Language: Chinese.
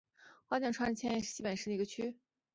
花见川区是千叶市西北部的一个区。